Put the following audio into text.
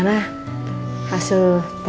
maka mika diterima